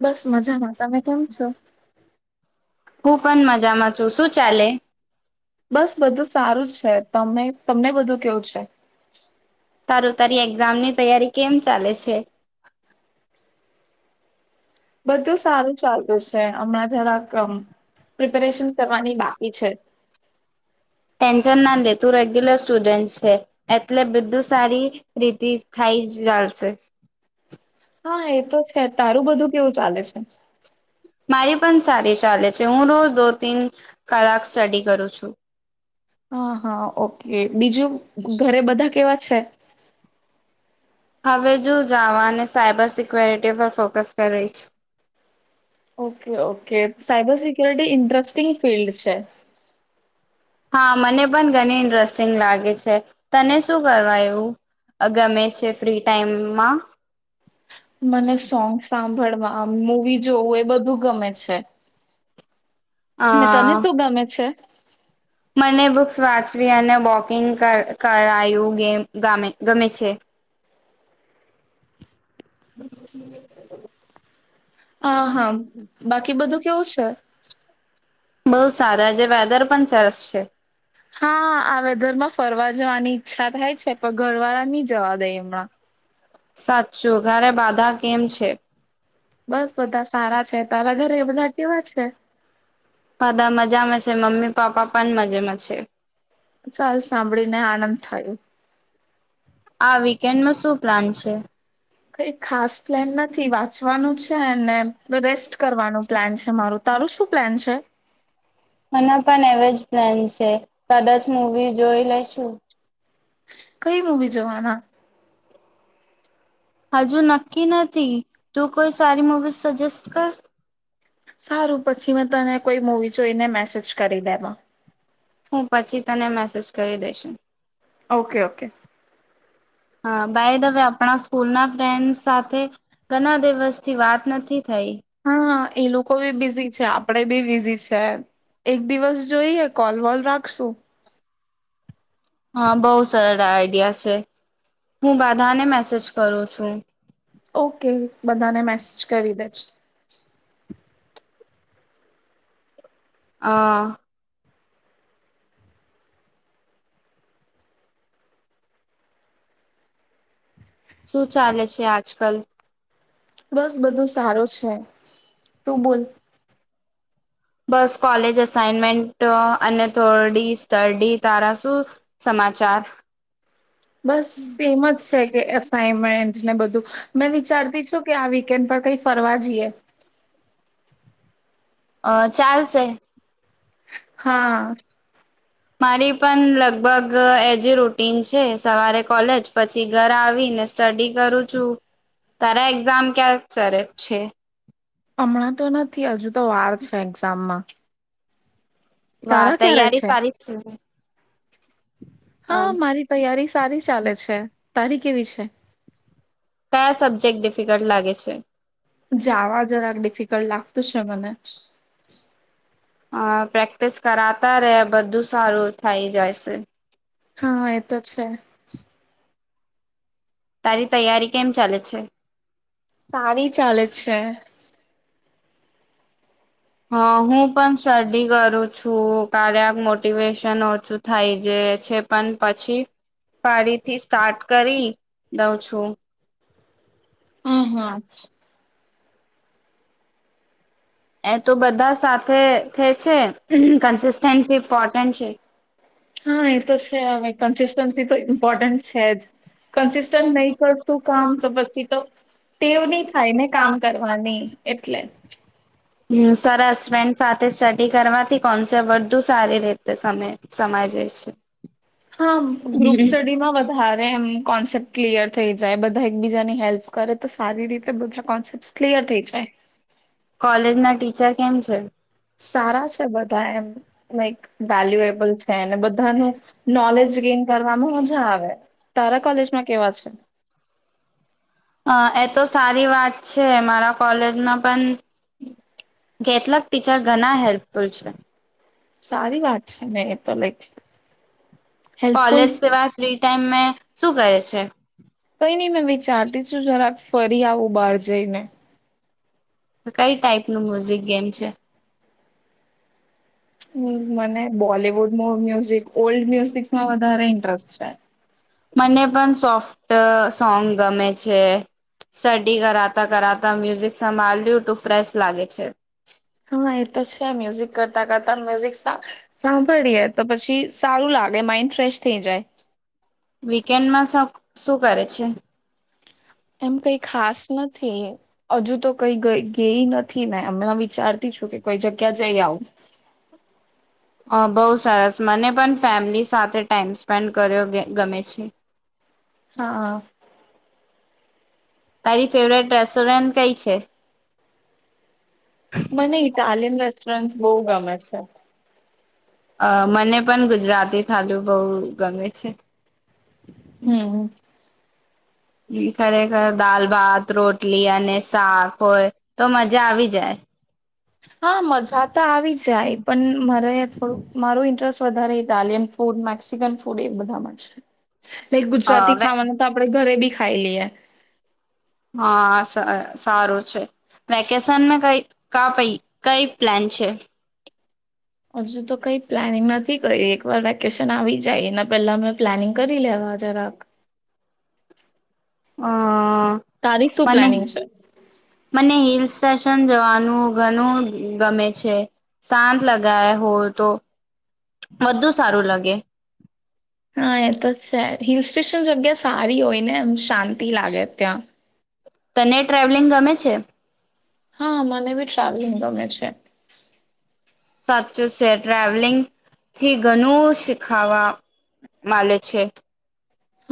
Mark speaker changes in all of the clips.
Speaker 1: બસ મજામાં. તમે કેમ છો?
Speaker 2: હું પણ મજામાં છું. શું ચાલે?
Speaker 1: બસ બધું સારું છે તમે તમને બધું કેવું છે?
Speaker 2: તારું તારી એક્ઝામની તૈયારી કેમ ચાલે છે?
Speaker 1: બધું સારું ચાલતું છે. હમણાં જરાક પ્રિપેરેશન કરવાની બાકી છે.
Speaker 2: ટેન્શન ના લેતું રેગ્યુલર સ્ટુડન્ટ છે. એટલે બધું સારી રીતિ થઈ ચાલશે.
Speaker 1: હા એ તો છે. તારું બધું કેવું ચાલે છે?
Speaker 2: મારી પણ સારી ચાલે છે. હું રોજ દો તીન કલાક સ્ટડી કરું છું.
Speaker 1: હા હા ઓકે. બીજું? ઘરે બધા કેવા છે?
Speaker 2: હવે જો જાવને સાયબર સિક્યોરિટી પર ફોકસ કરી છે.
Speaker 1: Okay okay. Cyber security interesting field છે.
Speaker 2: હા મને પણ ઘણી ઇન્ટરેસ્ટિંગ લાગે છે. તને શું કરવા એવું ગમે છે ફ્રી ટાઈમમાં?
Speaker 1: મને સોંગ સાંભળવા, મુવી જોવું એ બધું. ગમે છે. અને તને
Speaker 2: હા!
Speaker 1: શું ગમે છે
Speaker 2: મને બુક્સ વાંચ. સ્્રીિયાને બોકિંગ કરાયું ગેમ ગમે છે હમ
Speaker 1: હા હા બાકી બધું કેવું છે
Speaker 2: બઉુ સારાજ વેધર પણ સરસ છે
Speaker 1: હા આ વેધર માં ફરવા જવાની ઈચ્છા થાય છે પણ ઘરવાળા ની જવા દઈ હમણાં
Speaker 2: સાચું ઘરે બાધા કેમ છે
Speaker 1: બસ બધા સારા છે તારા ઘરે એ બધા કેવા છે
Speaker 2: બધા મજામાં છે મમ્મી પાપા પણ મજેમાં છે
Speaker 1: ચાલ સાંભળીને આનંદ થયો
Speaker 2: આ વીકેન્ડમાં શું પ્લાન છે
Speaker 1: કઈ ખાસ પ્લેન નથી વાંચવાનું છે અને રેસ્ટ કરવાનું પ્લાન છે મારું તારું શું પ્લાન છે
Speaker 2: મને પણ એવો જ પ્લાન છે કદાચ મવી જોઈ લેશું
Speaker 1: કઈ મૂવી જોવાના
Speaker 2: હજુ નક્કી નથી તું કોઈ સારી મૂવી સજેસ્ટ કર
Speaker 1: સારું પછી મેં તને કોઈ મુવી એને મેસેજ કરી દેમાં
Speaker 2: હું પછી તને મેસેજ કરી દઈશું
Speaker 1: ઓકે ઓકે
Speaker 2: હા ભાઈ હવે આપણા સ્કૂલ ના ફ્રેન્ડ સાથે ઘણા દિવસથી વાત નથી થઈ
Speaker 1: હા એ લોકો બી બિઝી છે આપણેે બી બિઝી છે એક દિવસ જોઈએ કોલ વોલ રાખશું
Speaker 2: હા બહુ સરળ આઈડિયા છે હું બધાને મેસેજ કરું છું
Speaker 1: ઓકે બધાને મેસેજ કરી દેજ [unintelligible]
Speaker 2: આ શું ચાલે છે આજ કલ [unintelligible]
Speaker 1: બસ બધું સારું છે તું બોલ
Speaker 2: બસ કોલેજ અઇનમેન્ટ તો અને થોડી સ્્ટડી તારા શું સમાચાર
Speaker 1: બસ એમ જ છે કે અસાઈનમેન્ટ ને બધું મેં વિચારતી છું કે આ વીકેન્ડ પર કઈ ફરવા જઈએ
Speaker 2: અ ચાલસ હ
Speaker 1: હા
Speaker 2: મારી પણ લગ લગભગ એજ રૂટીન છે સવારે કોલેજ પછી ઘર આવીને સ્ટડી કરું છું તારા એક્ઝામ ક્યાં સર છે
Speaker 1: હમણાં તો નથી હજુ તો વાર છે એક્ઝામમાં
Speaker 2: વાહ
Speaker 1: તારા ક્યારે
Speaker 2: તૈયારી
Speaker 1: છે
Speaker 2: સારી જ
Speaker 1: હા મારી તૈયારી સારી ચાલે છે તારી કેવી છે.
Speaker 2: કયા સબ્જેક્ટ ડિફિકલ્ટ લાગે છે.
Speaker 1: જાવા જરાક ડિફિકલ્ટ લાગ તો શે મને
Speaker 2: હ પ્રેક્ટિસ કરાતા રે બધું સારું થઇ જાય છે.
Speaker 1: હા એતો છે. [inaudible]
Speaker 2: તારી તૈયારી કેમ ચાલે છે.
Speaker 1: સારી ચાલે છે.
Speaker 2: હા હું પણ સ્ટડી કરું છું. ખરાબ મોટિવેશન ઓછું થાય જે છે પણ પછી ફરીથી સ્ટાર્ટ કરી દઉં છું.
Speaker 1: હમ હા
Speaker 2: એ તો બધા સાથે થેય છે.
Speaker 1: હા એ તો છે હવે કન્સિસ્ટન્સી તો ઇમ્પોર્ટન્ટ છે જ કન્સિસ્ટન્ટ નહી કરશું કામ તો પછી તો ટેવ નહી થાય ને કામ કરવાની એટલે
Speaker 2: હમ સરસ બેન સાથે સ્ટડી કરવાથી કોન્સેપ્ટ વધુ સારી રીતે સામે સમાઈ જાય છે.
Speaker 1: હા ગ્રુપ સ્ટડીમાં વધારે એમ કોન્સેપ્ટ ક્લિયર થઈ જાય બધા એકબીજાની હેલ્પ કરે તો સારી રીતે બધા કોન્સેપ્ટ ક્લિયર થઈ જાય
Speaker 2: કોલેજના ટીચર કેમ છે.
Speaker 1: સારા છે બધા એમ મા એક વેલ્યુએબલ છે અને બધાનું નોલેજ ગેન કરવાવામાં મજા. આવે તારા કોલેજમાં કેવા છે.
Speaker 2: હ એ તો સારી વાત છે મારા કોલેજમાં પણ કેટલાક ટીચર ઘના હે એ પણ છે.
Speaker 1: સારી વાત છે ને એ તલિક
Speaker 2: કોલેજ સેવા ફ્રી ટાઈમ શું કરે છે?
Speaker 1: એ ન મેં વિચારતી છું જરા ફરી આવું બહાર જઈને.
Speaker 2: કઈ ટાઈપ નું મ્યુઝિક ગેમ છે.
Speaker 1: હ મને બોલિવુડ મો મ્યુઝિક ઓલ્ડ મ્યુઝિકમાં વધારે ઇન્ટરેસ્ટ છે.
Speaker 2: મને પણ સોફ્ટ સોંગ ગમે છે સ્ટડી કરાતા કરાતા મ્યુઝિક સંભળ્યું તું ફ્રેશ લાગે છે.
Speaker 1: હા એ તો છે જ મ્યુઝિક કરતા કરતા મ્યુઝિક [unintelligible] સાંભળીએે તો પછી સારું લાગે માઈન્ડ ફ્રેશ થઈ જાય.
Speaker 2: વીકેન્ડમાં શ શું કરે છે?
Speaker 1: એમ કઈ ખાસ નથી હજુ તો કઈ ગઈ નથી મે એમણા વિચારતી છું. કોઈ જગ્યા જઈ આવ.
Speaker 2: અ બહુ સરસ મને પણ ફેમિલી સાથે ટાઈમ સ્પેન્ડ કર્યો ગમે છે.
Speaker 1: હા હા
Speaker 2: તારી ફેવરેટ રેસ્ટોરન્ટ કઈ? પછે
Speaker 1: મને ઇટાલિયન રેસ્ટોરન્ટ બહુ ગમે છે.
Speaker 2: અ મને પણ ગુજરાતી થાલુ બહુ ગમે છે.
Speaker 1: હમ
Speaker 2: હમ ખરેખર દાલ ભાત રોટલી અને શાક હોય તો મજા આવી જાય.
Speaker 1: હા, મજા તો આવી જાય પણ મારે એજ થોડું મારું ઇન્ટરેસ્ટ વધારે ઇટાલિયન ફૂડ મેક્સિકન ફૂડ એ બધામાં છે. લાઈક ગુજરાતી
Speaker 2: હવે
Speaker 1: ખાવાનું તો આપડે ઘરે બી ખાઈ લિયે.
Speaker 2: હા સારું છે વેકેશનમાં કઈ કા પઈ કઈ પ્લાન છે?
Speaker 1: હજુ તો કઈ પ્લાનિંગ નથી કરી એક વાર વેકેશન આવી જાય એના પહેલા અમે પ્લાનિંગ કરી લેવા જરાક.
Speaker 2: હાઆ.
Speaker 1: તારી શું
Speaker 2: મને
Speaker 1: પ્લાનિંગ છે
Speaker 2: મને હિલ્સ અજ સન જવાનું ઘણું ગમે છે. શાંત લગયા હો તો બધુ સારું લગે.
Speaker 1: હા એતો જ તે હિલ સ્ટેશન જગ્યા સારી હોય ને એમ શાંતિ લાગે ત્યાં.
Speaker 2: તને એ ટ્રાવેલિંગ ગમે છે?
Speaker 1: હા મને બી ટ્રાવેલિંગ ગમે છે.
Speaker 2: સાચું છે ટ્રાવેલિંગ થી ઘણું શીખાવા માલે છે.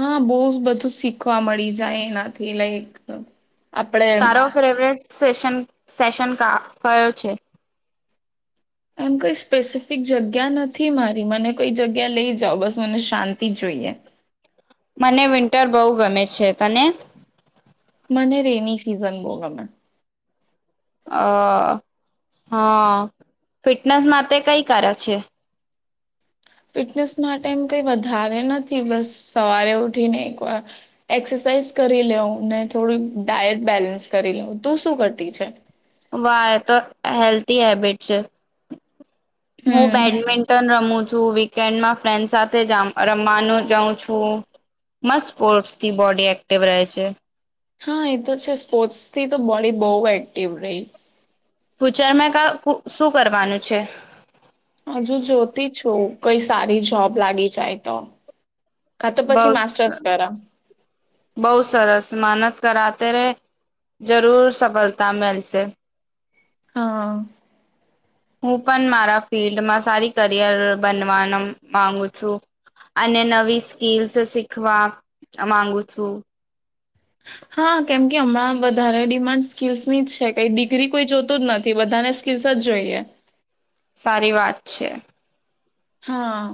Speaker 1: હા, બહુજ બધું શીખવા મળી જાય એનાથી લઈક અહ
Speaker 2: તારો ફેવેરેટ સેશન સેશન કા કયો છે.
Speaker 1: કઈ સ્પેસિફ જગ્યા નથી મારી મને કઈ જગ્યા લઈ જા બસ મને શાંતિ જોઈએ.
Speaker 2: મને વિન્ટર બહુ ગમે છે. તને?
Speaker 1: મને રેની સીઝન બહુ ગમે.
Speaker 2: અહ હા ફિટનેસ માટે કઈ કરે છે?
Speaker 1: ફિટનેસ માટે એમ કઈ વધારે નથી બસ સવારે ઉઠીને એકવાર એક્સરસાઇઝ કરી લેવું ને થોડી ડાયટ બેલેન્સ કરી લેવું. તું શું કરતી છે?
Speaker 2: વાહ એ તો હેલ્થી હેબિટ છે. હું
Speaker 1: હમ
Speaker 2: બેડમિંન્ટન રમું છું. વિકેન્ડ માં ફન્ડ સાથે જામ રમવાનું જાઉં છું મસ્ત સ્પોર્ટથી બોડી એક્ટિવ રહે છે.
Speaker 1: હા એ તો છે સ્પોર્ટ્સ થી તો બોડી બહુ એક્ટિવ રહી.
Speaker 2: ફ્યુચર મે કા કો શું કરવાનું છે?
Speaker 1: હજુ જોતી છું કઈ સારી જોબ લાગી જાય તો. કા તો
Speaker 2: બહુ
Speaker 1: પછી માસ્ટર્સ
Speaker 2: સરસ.
Speaker 1: કરા
Speaker 2: બહુ સરસ માનત કરાતે રહે જરૂર સફળતા મેલશે.
Speaker 1: હા.
Speaker 2: હું પણ મારા ફિલ્ડમાં સારી કરિયર બનવાનમ માંગુ છું. અને નવી સ્કીલસ શીખવા માંગુ છું.
Speaker 1: હા, કેમ કે હમણાં વધારે ડિમાન્ડ સ્કીલ્સ નીજ થઈ ગઈ. ડિગ્રી કોઈ જોતો જ નથ થી બધાને સ્કીસ જ જોઈએ
Speaker 2: સારી વાત છે
Speaker 1: હા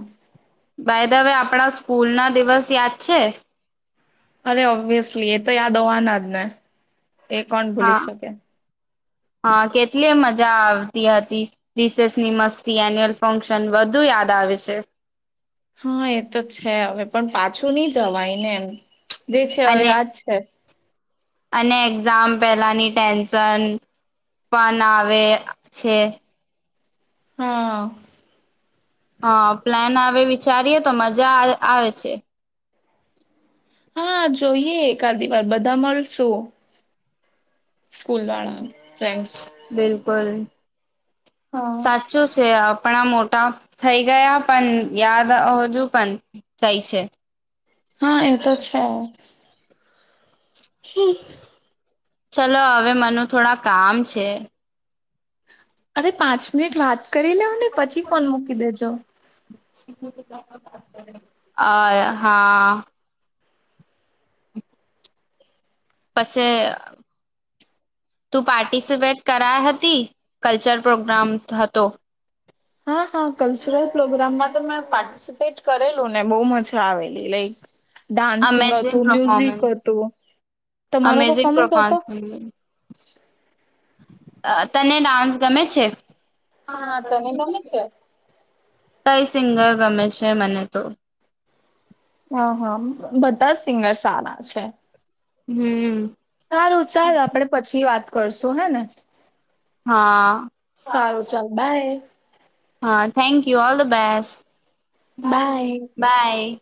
Speaker 2: ભાઈદવે આપણા સ્કૂલ ના દિવસ યાદ છે
Speaker 1: અરે ઓબ્વિયસલી એ તો યાદ હોવાના જ ને એ કોણ ભૂલી
Speaker 2: હા
Speaker 1: શકે
Speaker 2: હા કેટલી મજા આવે રસેસની મસ્તી એન્યુઅલ ફંક્શન વધુ યાદ આવે છે
Speaker 1: હા એ તો છે હવે પણ પાછું નઈ જવાય ને એમ જે છે હવે
Speaker 2: અને
Speaker 1: યાદ છે
Speaker 2: અને એક્ઝામ પેલાની ટેન્શન પણ આવે છે
Speaker 1: હા
Speaker 2: હા પ્લાન આવે વિચારીએ તો મજા આવે છે
Speaker 1: હા જોઈએ એકા દિવાર બધા મળશું સ્કૂલ વાળા ફ્રેન્ડ્સ.
Speaker 2: બિલકુલ,
Speaker 1: હા.
Speaker 2: સાચું છે આપ આપણા મોટા થઈ ગયા પણ યાદ આવજુ પણ થાય છે.
Speaker 1: હા, એતો છે. [unintelligible]
Speaker 2: ચલો હવે મનુ થોડા કામ છે.
Speaker 1: અરે પાંચ મિનિટ વાત કરી લેવને પછી ફોન મૂકી દેજો.
Speaker 2: અ હા. પચે [inaudible] તું પાર્ટિસિપેટ કરાઈ હતી કલ્ચર પ્રોગ્રામ હતો.
Speaker 1: હા હા, કલ્ચરલ પ્રોગ્રામમાં તો મે પાર્ટિસિપેટ કરેલુંને બો મજા આવેલી લાઈક ડાન્સિંગ
Speaker 2: અમેઝિંગ
Speaker 1: હતું, મ્યુઝિક
Speaker 2: પરફોર્મન્સ
Speaker 1: હતું, તમારો
Speaker 2: અમેઝિંગ
Speaker 1: પફોમન્સ હતો.
Speaker 2: પરફોર્મન્સ તને ડાન્સ ગમે છે?
Speaker 1: હા તને ગમે છે
Speaker 2: [inaudible] કઈ સિંગર ગમે છે? મને તો
Speaker 1: હા હા, બધાં સિંગર સારા છે.
Speaker 2: હમ.
Speaker 1: સારું ચાલ આપડે પછી વાત કરશું હેને,
Speaker 2: હા
Speaker 1: સારું ચાલ બાય.
Speaker 2: હા thank all the best. Bye by.